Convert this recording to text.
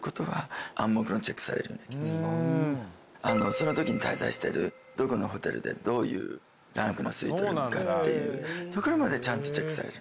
その時に滞在してるどこのホテルでどういうランクのスイートルームかっていうところまでちゃんとチェックされる。